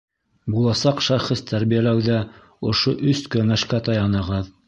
Буласаҡ шәхес тәрбиәләүҙә ошо өс кәңәшкә таянығыҙ: